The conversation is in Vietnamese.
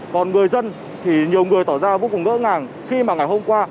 còn người dân thì nhiều người tỏ ra vô cùng ngỡ ngàng khi mà ngày hôm qua